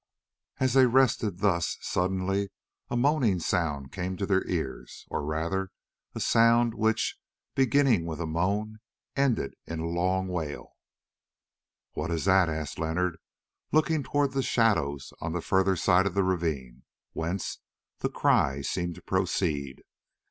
As they rested thus, suddenly a moaning sound came to their ears, or rather a sound which, beginning with a moan, ended in a long low wail. "What is that?" asked Leonard, looking towards the shadows on the further side of the ravine, whence the cry seemed to proceed.